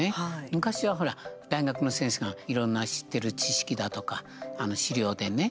昔はほら、大学の先生がいろんな知ってる知識だとか資料でね